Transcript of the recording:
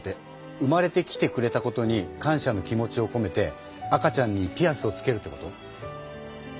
生まれてきてくれたことに感謝の気持ちをこめて赤ちゃんにピアスをつけるってこと？